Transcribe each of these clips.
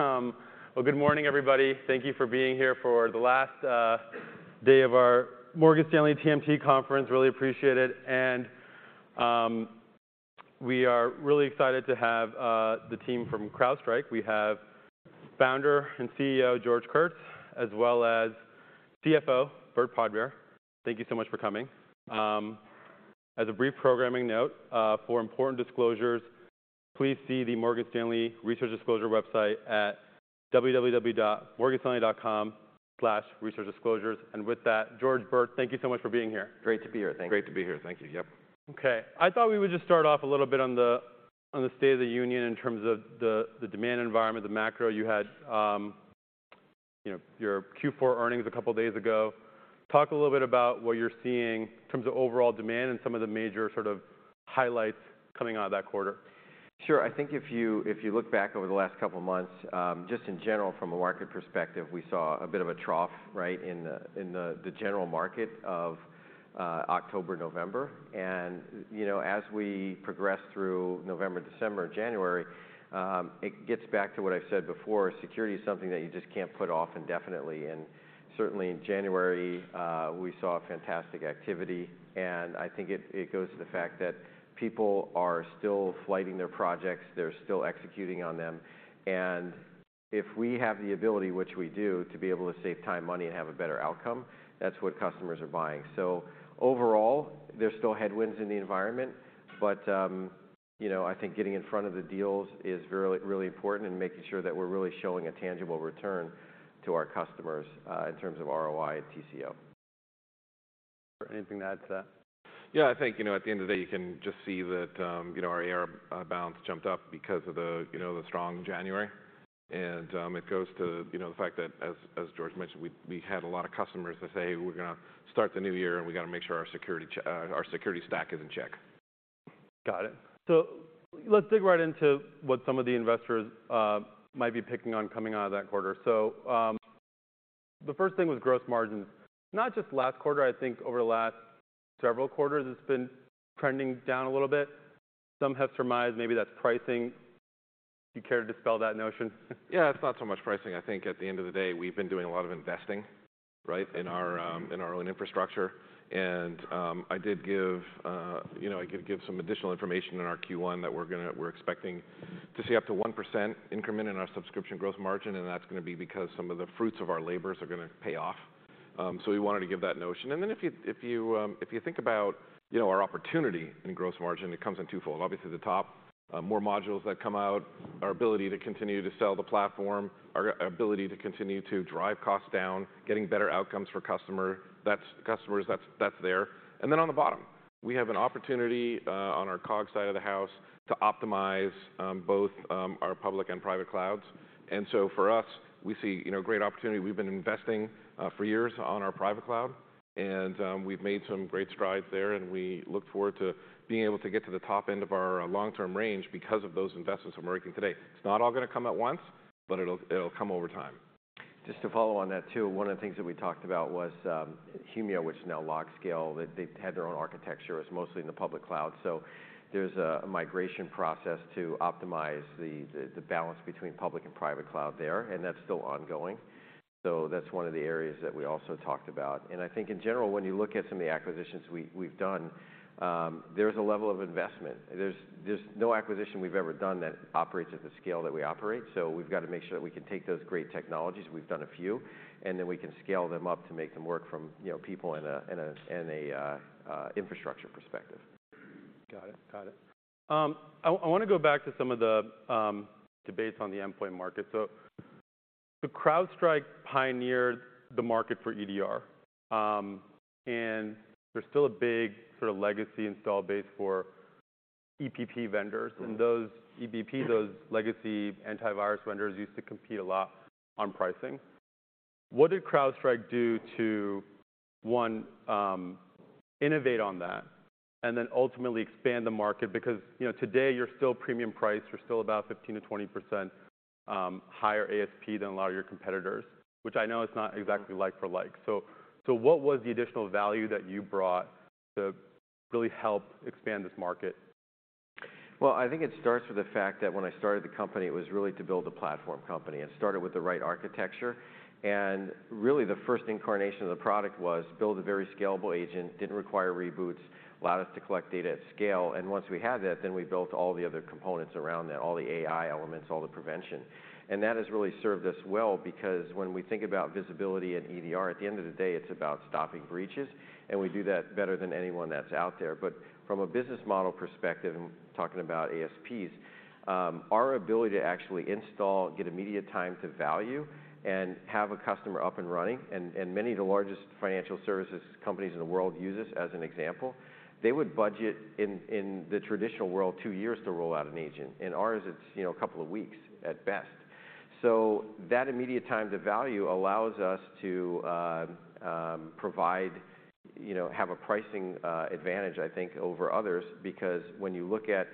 Well, good morning, everybody. Thank you for being here for the last day of our Morgan Stanley TMT conference. Really appreciate it. We are really excited to have the team from CrowdStrike. We have Founder and CEO, George Kurtz, as well as CFO, Burt Podbere. Thank you so much for coming. As a brief programming note, for important disclosures, please see the Morgan Stanley Research Disclosure website at www.morganstanley.com/researchdisclosures. With that, George, Burt, thank you so much for being here. Great to be here. Thank you. Great to be here. Thank you. Yep. Okay. I thought we would just start off a little bit on the, on the state of the union in terms of the demand environment, the macro. You had, you know, your Q4 earnings a couple days ago. Talk a little bit about what you're seeing in terms of overall demand and some of the major sort of highlights coming out of that quarter. Sure. I think if you, if you look back over the last couple of months, just in general from a market perspective, we saw a bit of a trough, right, in the general market of October, November. You know, as we progress through November, December, January, it gets back to what I said before, security is something that you just can't put off indefinitely. Certainly in January, we saw fantastic activity, and I think it goes to the fact that people are still flighting their projects. They're still executing on them. If we have the ability, which we do, to be able to save time, money, and have a better outcome, that's what customers are buying. Overall, there's still headwinds in the environment, but, you know, I think getting in front of the deals is really important and making sure that we're really showing a tangible return to our customers, in terms of ROI and TCO. Burt, anything to add to that? Yeah, I think, you know, at the end of the day, you can just see that, you know, our ARR balance jumped up because of the, you know, the strong January. It goes to, you know, the fact that as George mentioned, we had a lot of customers that say, "We're gonna start the new year and we gotta make sure our security stack is in check. Got it. Let's dig right into what some of the investors might be picking on coming out of that quarter. The first thing was gross margins. Not just last quarter, I think over the last several quarters, it's been trending down a little bit. Some have surmised maybe that's pricing. You care to dispel that notion? Yeah. It's not so much pricing. I think at the end of the day, we've been doing a lot of investing, right, in our own infrastructure. I did give, you know, I did give some additional information in our Q1 that we're expecting to see up to 1% increment in our subscription growth margin, and that's gonna be because some of the fruits of our labors are gonna pay off. We wanted to give that notion. If you think about, you know, our opportunity in gross margin, it comes in twofold. Obviously, the top, more modules that come out, our ability to continue to sell the platform, our ability to continue to drive costs down, getting better outcomes for customers, that's there. On the bottom, we have an opportunity on our cog side of the house to optimize both our public and private clouds. For us, we see, you know, great opportunity. We've been investing for years on our private cloud, and we've made some great strides there, and we look forward to being able to get to the top end of our long-term range because of those investments we're making today. It's not all gonna come at once, but it'll come over time. Just to follow on that too, one of the things that we talked about was Humio, which is now Falcon LogScale. They had their own architecture. It was mostly in the public cloud. There's a migration process to optimize the balance between public and private cloud there, and that's still ongoing. That's one of the areas that we also talked about. I think in general, when you look at some of the acquisitions we've done, there's a level of investment. There's no acquisition we've ever done that operates at the scale that we operate, so we've got to make sure that we can take those great technologies, we've done a few, and then we can scale them up to make them work from, you know, people in a infrastructure perspective. Got it. Got it. I wanna go back to some of the debates on the endpoint market. CrowdStrike pioneered the market for EDR, and there's still a big sort of legacy install base for EPP vendors. Those EPP, those legacy antivirus vendors used to compete a lot on pricing. What did CrowdStrike do to, one, innovate on that and then ultimately expand the market? You know, today you're still premium price. You're still about 15%-20% higher ASP than a lot of your competitors, which I know is not exactly like for like. What was the additional value that you brought to really help expand this market? Well, I think it starts with the fact that when I started the company, it was really to build a platform company, and started with the right architecture. Really, the first incarnation of the product was build a very scalable agent, didn't require reboots, allowed us to collect data at scale. Once we had that, then we built all the other components around that, all the AI elements, all the prevention. That has really served us well because when we think about visibility and EDR, at the end of the day, it's about stopping breaches, and we do that better than anyone that's out there. From a business model perspective, and talking about ASPs, our ability to actually install, get immediate time to value, and have a customer up and running, and many of the largest financial services companies in the world use us as an example. They would budget in the traditional world, two years to roll out an agent. In ours, it's, you know, a couple of weeks at best. That immediate time to value allows us to provide, you know, have a pricing advantage, I think, over others because when you look at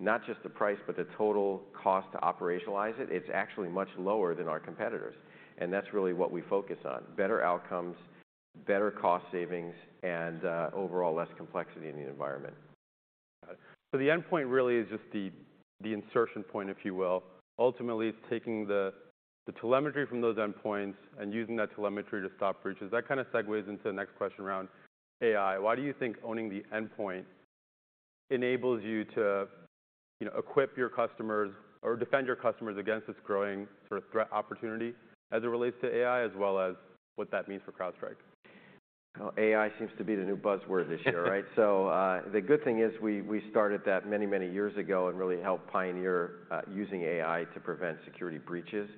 not just the price, but the total cost to operationalize it's actually much lower than our competitors. That's really what we focus on, better outcomes, better cost savings, and overall less complexity in the environment. The endpoint really is just the insertion point, if you will. Ultimately, it's taking the telemetry from those endpoints and using that telemetry to stop breaches. That kind of segues into the next question around AI. Why do you think owning the endpoint enables you to, you know, equip your customers or defend your customers against this growing sort of threat opportunity as it relates to AI, as well as what that means for CrowdStrike? AI seems to be the new buzzword this year, right? The good thing is we started that many, many years ago and really helped pioneer using AI to prevent security breaches.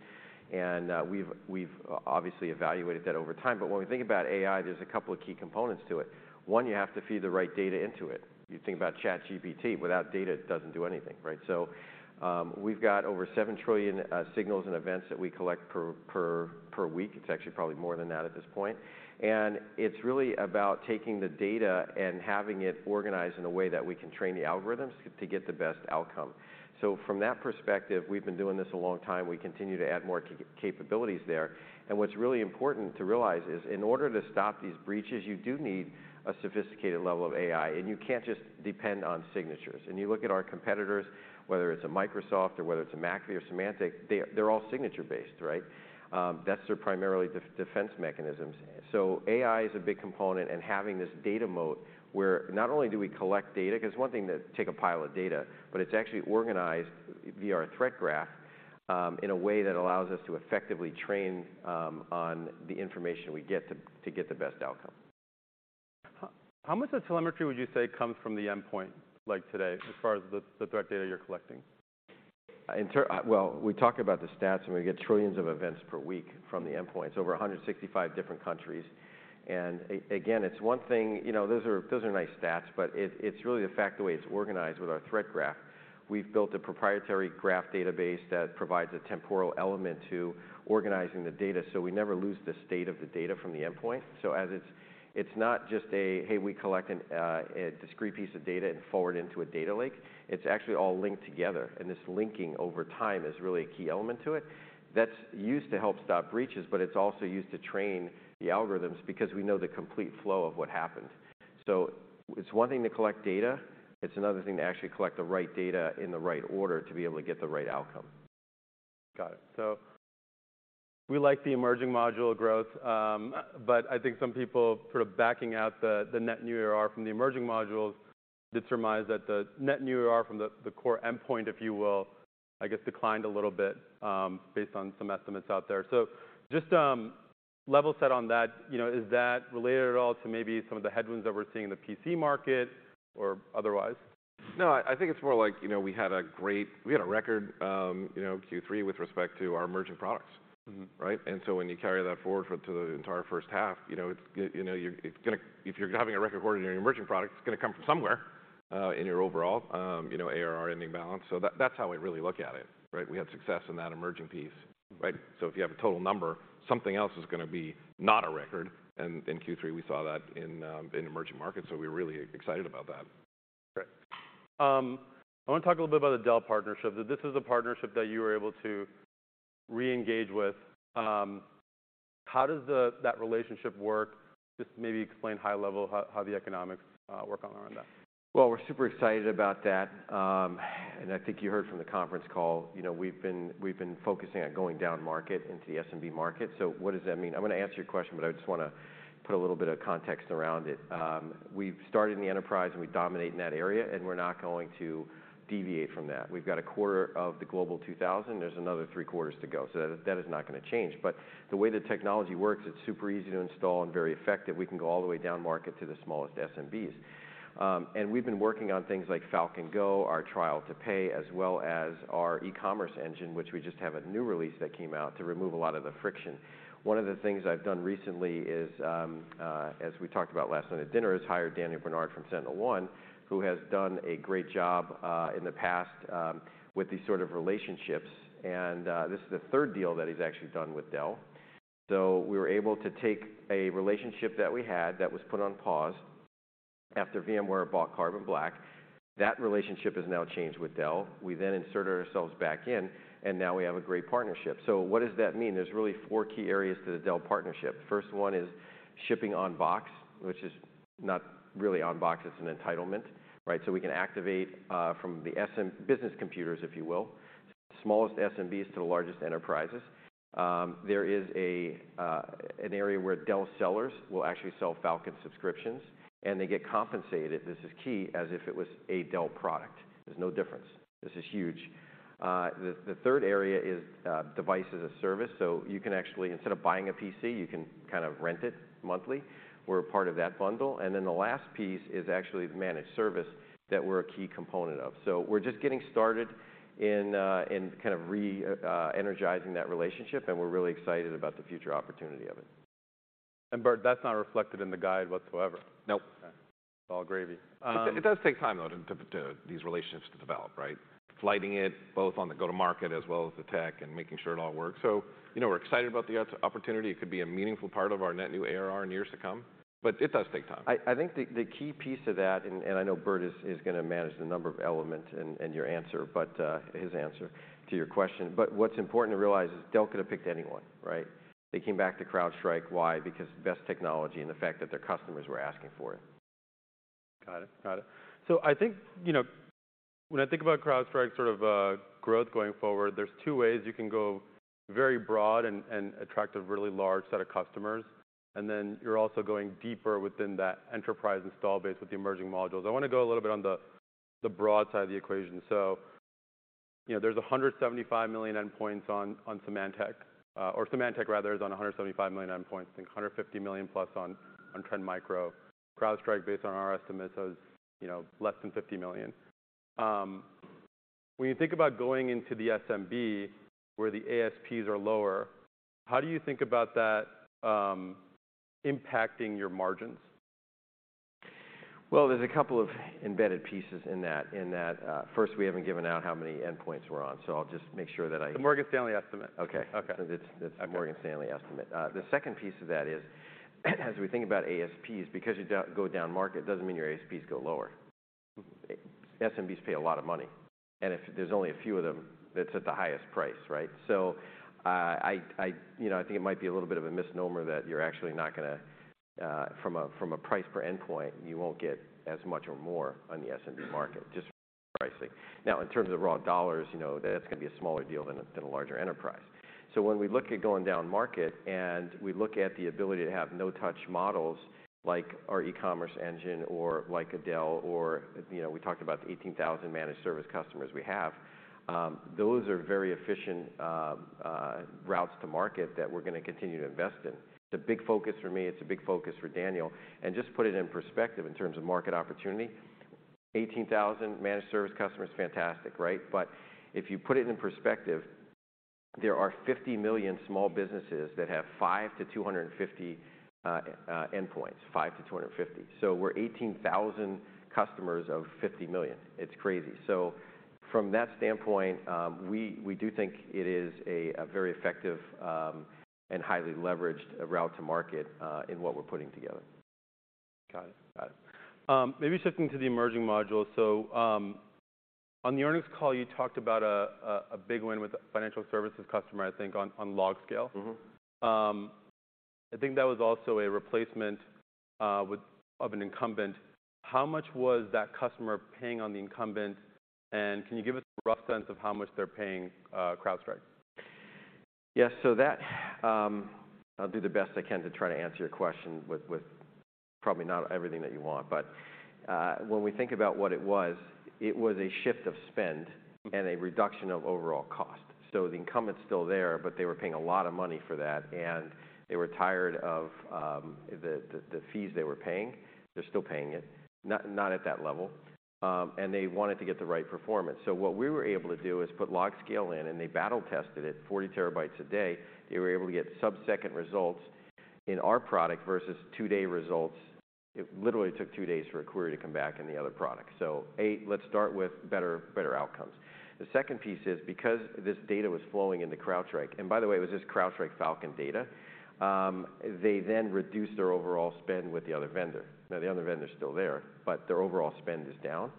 We've obviously evaluated that over time. When we think about AI, there's a couple of key components to it. One, you have to feed the right data into it. You think about ChatGPT, without data, it doesn't do anything, right? We've got over 7 trillion signals and events that we collect per week. It's actually probably more than that at this point. It's really about taking the data and having it organized in a way that we can train the algorithms to get the best outcome. From that perspective, we've been doing this a long time. We continue to add more capabilities there. What's really important to realize is, in order to stop these breaches, you do need a sophisticated level of AI, and you can't just depend on signatures. You look at our competitors, whether it's a Microsoft or whether it's a McAfee or Symantec, they're all signature based, right? That's their primarily defense mechanisms. AI is a big component, and having this data moat where not only do we collect data, 'cause one thing to take a pile of data, but it's actually organized via our Threat Graph, in a way that allows us to effectively train on the information we get to get the best outcome. How much of the telemetry would you say comes from the endpoint, like today, as far as the threat data you're collecting? We talk about the stats, we get trillions of events per week from the endpoints, over 165 different countries. again, it's one thing. You know, those are nice stats, but it's really the fact the way it's organized with our Threat Graph. We've built a proprietary graph database that provides a temporal element to organizing the data, so we never lose the state of the data from the endpoint. as it's not just a, "Hey, we collect a discrete piece of data and forward into a data lake." It's actually all linked together, and this linking over time is really a key element to it. That's used to help stop breaches, but it's also used to train the algorithms because we know the complete flow of what happened. It's one thing to collect data, it's another thing to actually collect the right data in the right order to be able to get the right outcome. Got it. We like the emerging module growth, but I think some people sort of backing out the net new ARR from the emerging modules did surmise that the net new ARR from the core endpoint, if you will, I guess, declined a little bit, based on some estimates out there. Just level set on that. You know, is that related at all to maybe some of the headwinds that we're seeing in the PC market or otherwise? No, I think it's more like, you know, We had a record, you know, Q3 with respect to our emerging products. Mm-hmm. Right? When you carry that forward to the entire first half, you know, it's gonna If you're having a record quarter in your emerging product, it's gonna come from somewhere, in your overall, you know, ARR ending balance. That's how I really look at it, right? We had success in that emerging piece, right? If you have a total number, something else is gonna be not a record. In Q3 we saw that in emerging markets, so we're really excited about that. Great. I want to talk a little bit about the Dell partnership, that this is a partnership that you were able to re-engage with. How does that relationship work? Just maybe explain high level how the economics work around that. Well, we're super excited about that. I think you heard from the conference call, you know, we've been focusing on going down market into the SMB market. What does that mean? I'm gonna answer your question, but I just wanna put a little bit of context around it. We've started in the enterprise, and we dominate in that area, and we're not going to deviate from that. We've got a quarter of the Global 2000. There's another three quarters to go. That is not gonna change. The way the technology works, it's super easy to install and very effective. We can go all the way down market to the smallest SMBs. We've been working on things like Falcon Go, our trial to pay, as well as our e-commerce engine, which we just have a new release that came out to remove a lot of the friction. One of the things I've done recently is, as we talked about last night at dinner, is hire Daniel Bernard from SentinelOne, who has done a great job in the past with these sort of relationships. This is the third deal that he's actually done with Dell. We were able to take a relationship that we had that was put on pause after VMware bought Carbon Black. That relationship has now changed with Dell. We inserted ourselves back in, and now we have a great partnership. What does that mean? There's really four key areas to the Dell partnership. First one is shipping on box, which is not really on box, it's an entitlement, right? We can activate from the business computers, if you will, smallest SMBs to the largest enterprises. There is an area where Dell sellers will actually sell Falcon subscriptions, and they get compensated, this is key, as if it was a Dell product. There's no difference. This is huge. The third area is device as a service, so you can actually, instead of buying a PC, you can kind of rent it monthly. We're a part of that bundle. The last piece is actually the managed service that we're a key component of. We're just getting started in kind of re-energizing that relationship, and we're really excited about the future opportunity of it. Burt, that's not reflected in the guide whatsoever. Nope. All gravy. It does take time, though, to these relationships to develop, right? Flighting it both on the go-to-market as well as the tech and making sure it all works. You know, we're excited about the opportunity. It could be a meaningful part of our net new ARR in years to come, it does take time. I think the key piece to that, and I know Burt is gonna manage the number of elements and your answer, but his answer to your question, what's important to realize is Dell could have picked anyone, right? They came back to CrowdStrike. Why? Because best technology and the fact that their customers were asking for it. Got it. Got it. I think, you know, when I think about CrowdStrike sort of growth going forward, there's two ways you can go very broad and attract a really large set of customers, and then you're also going deeper within that enterprise install base with the emerging modules. I want to go a little bit on the broad side of the equation. You know, there's 175 million endpoints on Symantec, or Symantec rather is on 175 million endpoints, and 150 million+ on Trend Micro. CrowdStrike, based on our estimates, is, you know, less than 50 million. When you think about going into the SMB, where the ASPs are lower, how do you think about that impacting your margins? Well, there's a couple of embedded pieces in that. First, we haven't given out how many endpoints we're on, so I'll just make sure that. The Morgan Stanley estimate. Okay. Okay. that's- Okay the Morgan Stanley estimate. The second piece of that is, as we think about ASPs, because you go down market doesn't mean your ASPs go lower. Mm-hmm. SMBs pay a lot of money. If there's only a few of them, that's at the highest price, right? I, you know, I think it might be a little bit of a misnomer that you're actually not gonna, from a, from a price per endpoint, you won't get as much or more on the SMB market, just pricing. Now, in terms of raw dollars, you know, that's gonna be a smaller deal than a, than a larger enterprise. When we look at going down market, and we look at the ability to have no-touch models like our e-commerce engine or like a Dell or, you know, we talked about the 18,000 managed service customers we have, those are very efficient routes to market that we're gonna continue to invest in. It's a big focus for me, it's a big focus for Daniel. Just put it in perspective in terms of market opportunity, 18,000 managed service customers, fantastic, right? If you put it in perspective, there are 50 million small businesses that have 5 to 250 endpoints. 5 to 250. We're 18,000 customers of 50 million. It's crazy. From that standpoint, we do think it is a very effective and highly leveraged route to market in what we're putting together. Got it. Got it. Maybe shifting to the emerging module. On the earnings call, you talked about a big win with a financial services customer, I think, on LogScale. Mm-hmm. I think that was also a replacement of an incumbent. How much was that customer paying on the incumbent, and can you give us a rough sense of how much they're paying, CrowdStrike? Yes. I'll do the best I can to try to answer your question with probably not everything that you want. When we think about what it was, it was a shift of spend- Mm-hmm... and a reduction of overall cost. The incumbent's still there, but they were paying a lot of money for that, and they were tired of the fees they were paying. They're still paying it, not at that level, and they wanted to get the right performance. What we were able to do is put LogScale in, and they battle tested it 40 terabytes a day. They were able to get sub-second results in our product versus two-day results. It literally took two days for a query to come back in the other product. A, let's start with better outcomes. The second piece is because this data was flowing into CrowdStrike, and by the way, it was just CrowdStrike Falcon data, they then reduced their overall spend with the other vendor. Now, the other vendor is still there, but their overall spend is down.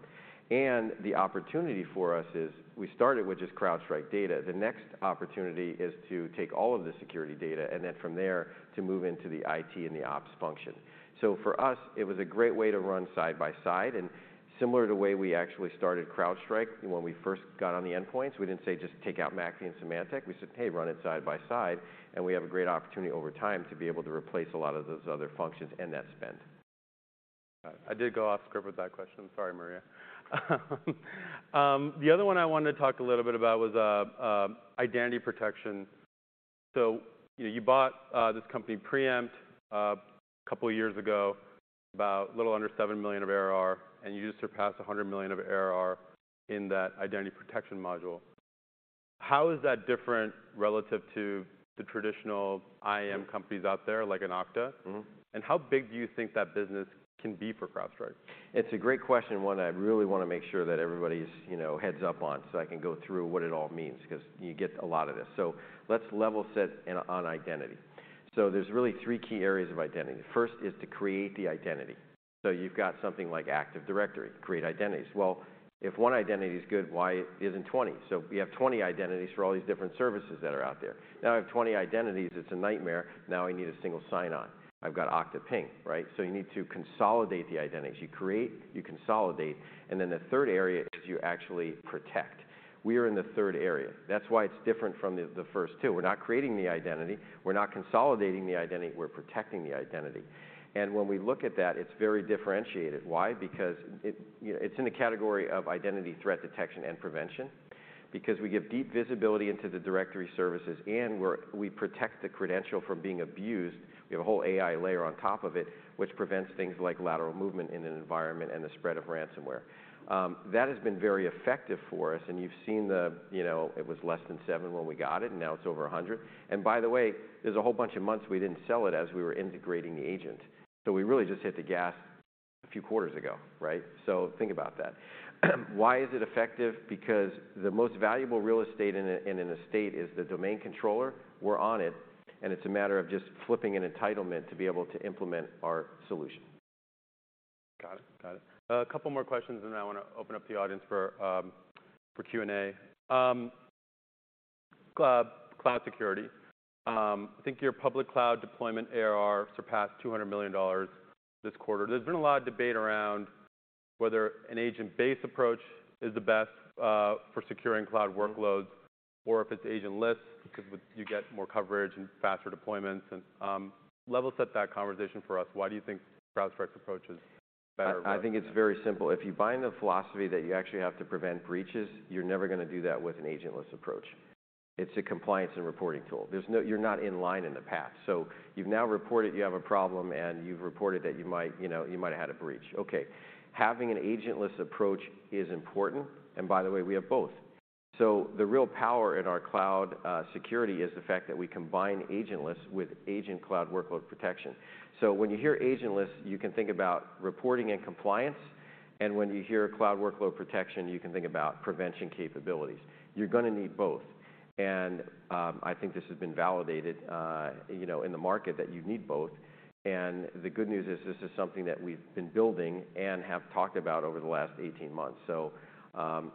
The opportunity for us is we started with just CrowdStrike data. The next opportunity is to take all of the security data, and then from there, to move into the IT and the ops function. For us, it was a great way to run side by side, and similar to the way we actually started CrowdStrike when we first got on the endpoints, we didn't say, "Just take out McAfee and Symantec." We said, "Hey, run it side by side, and we have a great opportunity over time to be able to replace a lot of those other functions and that spend. Got it. I did go off script with that question. Sorry, Maria. The other one I wanted to talk a little bit about was identity protection. You know, you bought this company, Preempt, couple years ago, about a little under $7 million of ARR, and you just surpassed $100 million of ARR in that identity protection module. How is that different relative to the traditional IM companies out there, like an Okta? Mm-hmm. How big do you think that business can be for CrowdStrike? It's a great question, one I really want to make sure that everybody's, you know, heads up on, so I can go through what it all means, 'cause you get a lot of this. Let's level set on identity. There's really three key areas of identity. The first is to create the identity. You've got something like Active Directory to create identities. Well, if one identity is good, why isn't 20? We have 20 identities for all these different services that are out there. Now I have 20 identities, it's a nightmare. Now I need a single sign-on. I've got Okta Ping, right? You need to consolidate the identities. You create, you consolidate, and then the third area is you actually protect. We are in the third area. That's why it's different from the first two. We're not creating the identity. We're not consolidating the identity. We're protecting the identity. When we look at that, it's very differentiated. Why? Because, you know, it's in the category of identity threat detection and prevention. We give deep visibility into the directory services, and we protect the credential from being abused, we have a whole AI layer on top of it, which prevents things like lateral movement in an environment and the spread of ransomware. That has been very effective for us, and you've seen the, you know, it was less than seven when we got it, and now it's over 100. By the way, there's a whole bunch of months we didn't sell it as we were integrating the agent. We really just hit the gas a few quarters ago, right? Think about that. Why is it effective? The most valuable real estate in a, in an estate is the domain controller. We're on it, and it's a matter of just flipping an entitlement to be able to implement our solution. Got it. Got it. A couple more questions, and then I wanna open up the audience for Q&A. Cloud, cloud security. I think your public cloud deployment ARR surpassed $200 million this quarter. There's been a lot of debate around whether an agent-based approach is the best for securing cloud workloads or if it's agentless because you get more coverage and faster deployments and level set that conversation for us. Why do you think CrowdStrike's approach is better? I think it's very simple. If you buy into the philosophy that you actually have to prevent breaches, you're never gonna do that with an agentless approach. It's a compliance and reporting tool. You're not in line in the path. You've now reported you have a problem, and you've reported that you might, you know, you might have had a breach. Okay. Having an agentless approach is important, and by the way, we have both. The real power in our cloud security is the fact that we combine agentless with agent cloud workload protection. When you hear agentless, you can think about reporting and compliance, and when you hear cloud workload protection, you can think about prevention capabilities. You're gonna need both. I think this has been validated, you know, in the market that you need both. The good news is this is something that we've been building and have talked about over the last 18 months.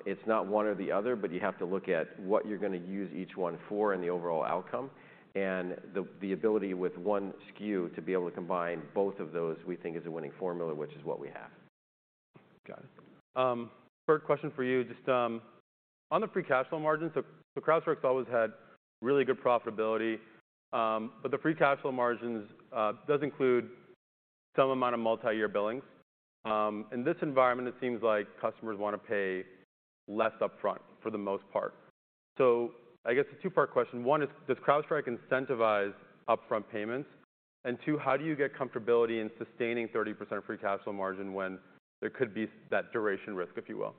It's not one or the other, but you have to look at what you're gonna use each one for and the overall outcome. The ability with 1 SKU to be able to combine both of those, we think is a winning formula, which is what we have. Got it. Burt, question for you. Just on the free cash flow margins, CrowdStrike's always had really good profitability, but the free cash flow margins does include some amount of multi-year billings. In this environment, it seems like customers wanna pay less upfront for the most part. I guess a two-part question. One is, does CrowdStrike incentivize upfront payments? Two, how do you get comfortability in sustaining 30% free cash flow margin when there could be that duration risk, if you will?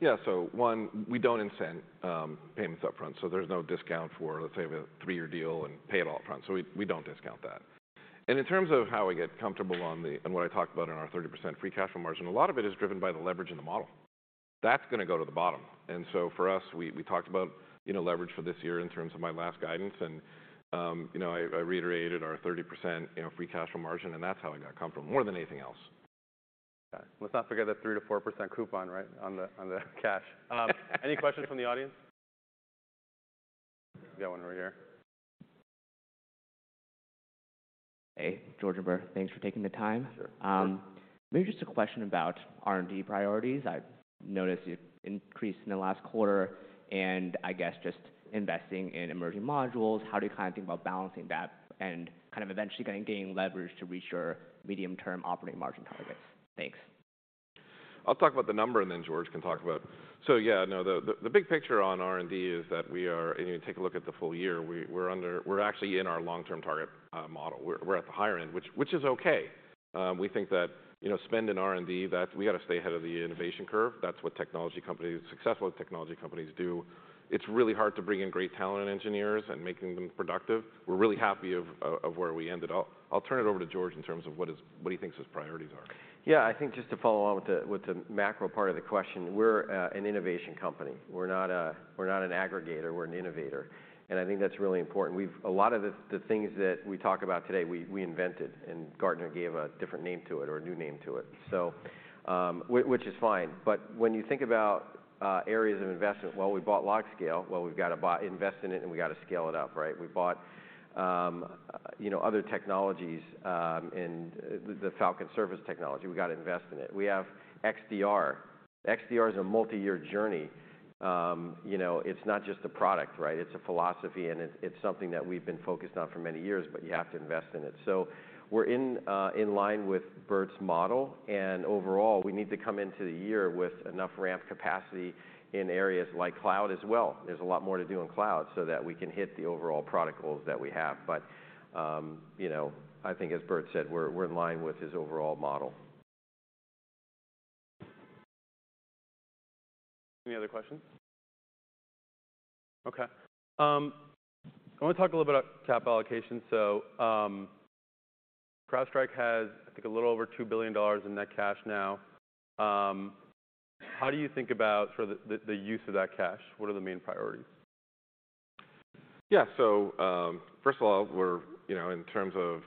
Yeah. One, we don't incent payments upfront, so there's no discount for, let's say, a three-year deal and pay it all upfront. We don't discount that. In terms of how we get comfortable. What I talked about in our 30% free cash flow margin, a lot of it is driven by the leverage in the model. That's gonna go to the bottom. For us, we talked about, you know, leverage for this year in terms of my last guidance, and, you know, I reiterated our 30% free cash flow margin, and that's how I got comfortable more than anything else. Got it. Let's not forget that 3%-4% coupon, right, on the, on the cash. Any questions from the audience? Got one over here. Hey, George and Bert. Thanks for taking the time. Sure. Sure. Maybe just a question about R&D priorities. I've noticed you've increased in the last quarter, and I guess just investing in emerging modules, how do you kind of think about balancing that and kind of eventually getting, gaining leverage to reach your medium-term operating margin targets? Thanks. I'll talk about the number, then George can talk about... Yeah, no. The big picture on R&D is that if you take a look at the full year, we're actually in our long-term target model. We're at the higher end, which is okay. We think that, you know, spend in R&D, that's, we gotta stay ahead of the innovation curve. That's what technology companies, successful technology companies do. It's really hard to bring in great talent and engineers and making them productive. We're really happy of where we ended up. I'll turn it over to George in terms of what he thinks his priorities are. Yeah. I think just to follow along with the, with the macro part of the question, we're an innovation company. We're not a, we're not an aggregator. We're an innovator, and I think that's really important. A lot of the things that we talk about today, we invented, and Gartner gave a different name to it or a new name to it. Which is fine. When you think about areas of investment, we bought LogScale. We've got to buy, invest in it, and we got to scale it up, right? We bought, you know, other technologies in the Falcon Service technology. We got to invest in it. We have XDR. XDR is a multi-year journey. You know, it's not just a product, right? It's a philosophy, and it's something that we've been focused on for many years, but you have to invest in it. We're in line with Burt's model, and overall, we need to come into the year with enough ramp capacity in areas like cloud as well. There's a lot more to do in cloud so that we can hit the overall product goals that we have. You know, I think as Burt said, we're in line with his overall model. Any other questions? Okay. I want to talk a little bit about cap allocation. CrowdStrike has, I think, a little over $2 billion in net cash now. How do you think about sort of the use of that cash? What are the main priorities? First of all, we're, you know, in terms of,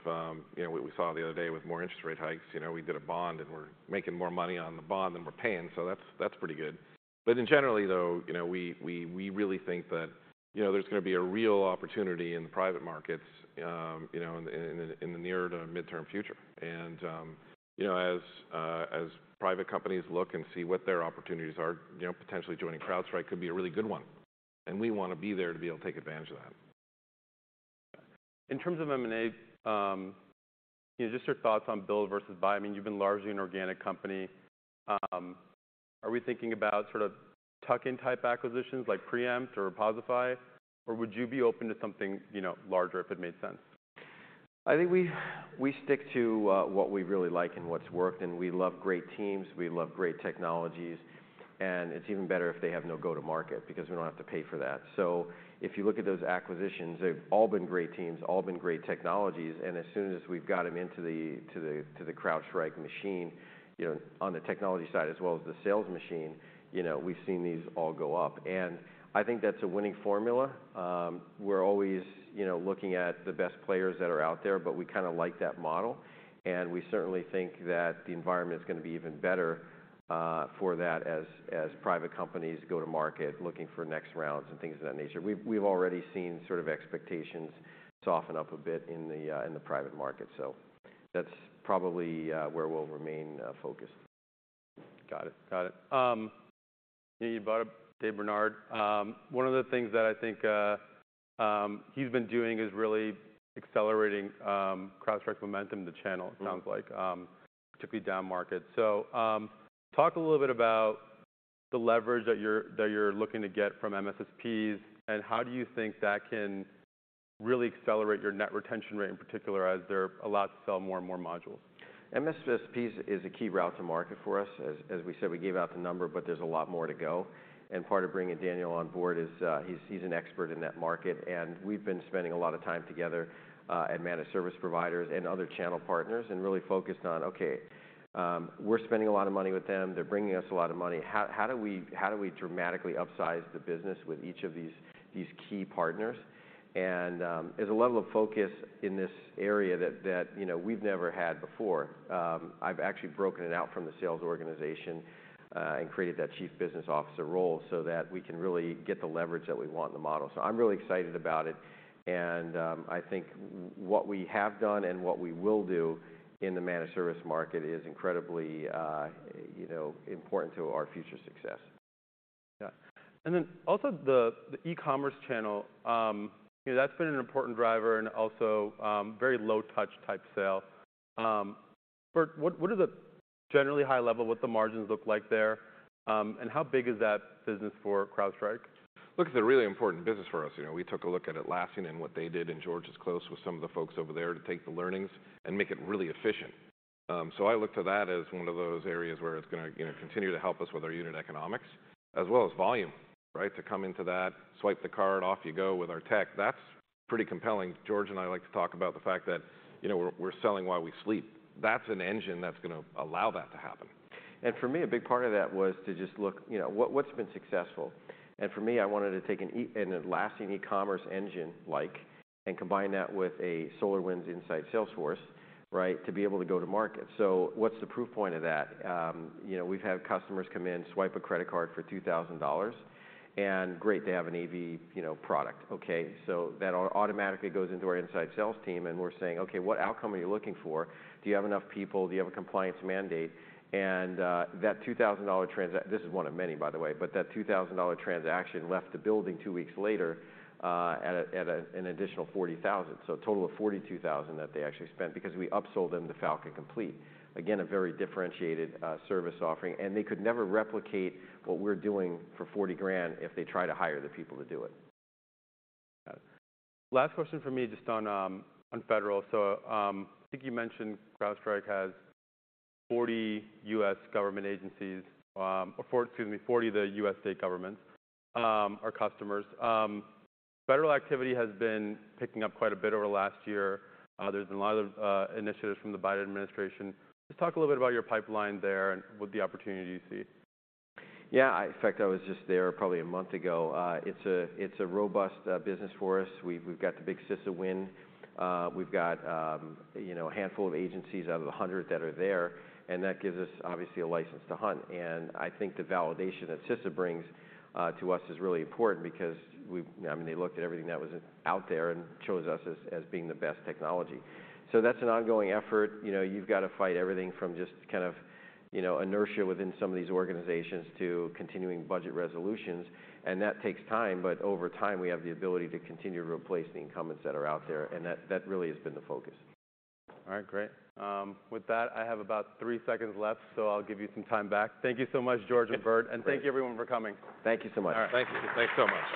you know, we saw the other day with more interest rate hikes, you know, we did a bond, and we're making more money on the bond than we're paying, so that's pretty good. In generally though, you know, we, we really think that, you know, there's gonna be a real opportunity in the private markets, you know, in the, in the, in the near to midterm future. As, as private companies look and see what their opportunities are, you know, potentially joining CrowdStrike could be a really good one, and we wanna be there to be able to take advantage of that. In terms of M&A, you know, just your thoughts on build versus buy. I mean, you've been largely an organic company. Are we thinking about sort of tuck-in type acquisitions like Preempt or Reposify, or would you be open to something, you know, larger if it made sense? I think we stick to what we really like and what's worked, and we love great teams, we love great technologies, and it's even better if they have no go-to-market because we don't have to pay for that. If you look at those acquisitions, they've all been great teams, all been great technologies, and as soon as we've got them into the CrowdStrike machine, you know, on the technology side as well as the sales machine, you know, we've seen these all go up. I think that's a winning formula. We're always, you know, looking at the best players that are out there, but we kinda like that model, and we certainly think that the environment's gonna be even better for that as private companies go to market looking for next rounds and things of that nature. We've already seen sort of expectations soften up a bit in the private market. That's probably where we'll remain focused. Got it. You know, you brought up Daniel Bernard. One of the things that I think he's been doing is really accelerating, CrowdStrike momentum in the channel... Mm-hmm... it sounds like, particularly downmarket. Talk a little bit about the leverage that you're looking to get from MSSPs, and how do you think that can really accelerate your net retention rate in particular as they're allowed to sell more and more modules? MSSPs is a key route to market for us. As we said, we gave out the number, but there's a lot more to go, and part of bringing Daniel on board is he's an expert in that market, and we've been spending a lot of time together at managed service providers and other channel partners, and really focused on, okay, we're spending a lot of money with them. They're bringing us a lot of money. How do we dramatically upsize the business with each of these key partners? There's a level of focus in this area that, you know, we've never had before. I've actually broken it out from the sales organization and created that chief business officer role so that we can really get the leverage that we want in the model. I'm really excited about it, and, I think what we have done and what we will do in the managed service market is incredibly, you know, important to our future success. Yeah. And then also the e-commerce channel, you know, that's been an important driver and also, very low-touch type sale. Burt, what are the, generally high level, what the margins look like there, and how big is that business for CrowdStrike? Look, it's a really important business for us. You know, we took a look at Atlassian and what they did, and George is close with some of the folks over there to take the learnings and make it really efficient. I look to that as one of those areas where it's gonna, you know, continue to help us with our unit economics as well as volume, right? To come into that, swipe the card, off you go with our tech, that's pretty compelling. George and I like to talk about the fact that, you know, we're selling while we sleep. That's an engine that's gonna allow that to happen. For me, a big part of that was to just look, you know, what's been successful? For me, I wanted to take an Atlassian e-commerce engine like and combine that with a SolarWinds inside sales force, right, to be able to go to market. What's the proof point of that? You know, we've had customers come in, swipe a credit card for $2,000, and great, they have an AV, you know, product. Okay? That automatically goes into our inside sales team, and we're saying, "Okay, what outcome are you looking for? Do you have enough people? Do you have a compliance mandate?" This is one of many, by the way, but that $2,000 transaction left the building two weeks later, an additional $40,000. A total of $42,000 that they actually spent because we upsold them to Falcon Complete. Again, a very differentiated, service offering, and they could never replicate what we're doing for $40,000 if they try to hire the people to do it. Yeah. Last question from me, just on federal. I think you mentioned CrowdStrike has 40 U.S. government agencies, or four, excuse me, 40 of the U.S. state governments are customers. Federal activity has been picking up quite a bit over the last year. There's been a lot of initiatives from the Biden administration. Just talk a little bit about your pipeline there and what the opportunity you see? Yeah. In fact, I was just there probably a month ago. It's a robust business for us. We've got the big CISA win. We've got, you know, a handful of agencies out of 100 that are there, and that gives us obviously a license to hunt. I think the validation that CISA brings to us is really important because I mean, they looked at everything that was out there and chose us as being the best technology. That's an ongoing effort. You know, you've got to fight everything from just kind of, you know, inertia within some of these organizations to continuing budget resolutions, and that takes time, but over time, we have the ability to continue to replace the incumbents that are out there, and that really has been the focus. All right, great. With that, I have about three seconds left, so I'll give you some time back. Thank you so much, George and Burt. Great. Thank you everyone for coming. Thank you so much. All right. Thank you. Thanks so much.